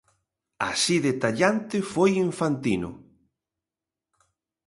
Así de tallante foi Infantino.